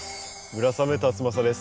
村雨辰剛です。